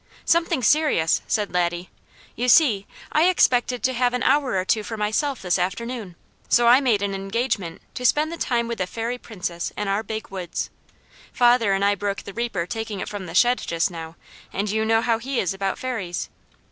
"Something serious," said Laddie. "You see, I expected to have an hour or two for myself this afternoon, so I made an engagement to spend the time with a Fairy Princess in our Big Woods. Father and I broke the reaper taking it from the shed just now and you know how he is about Fairies."